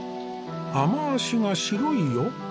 雨脚が白いよ。